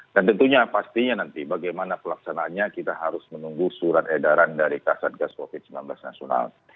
dan tentunya pastinya nanti bagaimana pelaksanaannya kita harus menunggu surat edaran dari ksat gas covid sembilan belas nasional